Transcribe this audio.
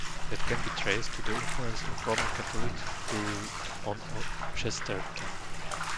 That can be traced to the influence of Roman Catholic thought on Chesterton.